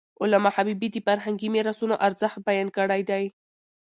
علامه حبيبي د فرهنګي میراثونو ارزښت بیان کړی دی.